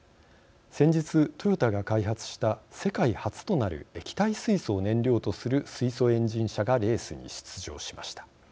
先日トヨタが開発した世界初となる液体水素を燃料とする水素エンジン車がレースに出場しました。